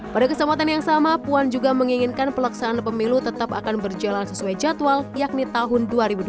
pada kesempatan yang sama puan juga menginginkan pelaksanaan pemilu tetap akan berjalan sesuai jadwal yakni tahun dua ribu dua puluh